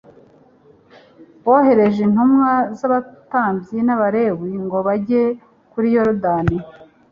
bohereje intumwa z’Abatambyi n’Abalewi ngo bajye kuri Yorodani,